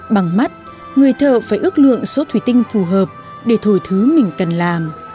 bằng mắt người thợ phải ước lượng số thủy tinh phù hợp để thổi thứ mình cần làm